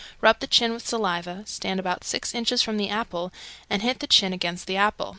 Rub the chin with saliva, stand about six inches from the apple, and hit the chin against the apple.